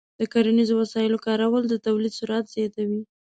د کرنیزو وسایلو کارول د تولید سرعت زیاتوي.